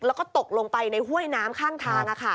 แล้วก็ตกลงไปในห้วยน้ำข้างทาง